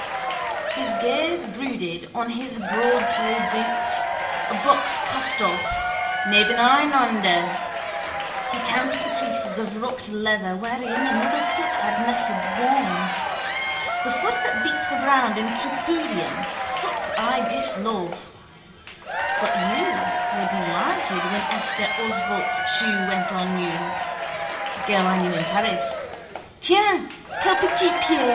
His gaze brooded on his broadtoed boots, a buck's castoffs, nebeneinander. He counted the creases of rucked leather wherein another's foot had nested warm. The foot that beat the ground in tripudium, foot I dislove. But you were delighted when Esther Osvalt's shoe went on you: girl I knew in Paris. _Tiens, quel petit pied!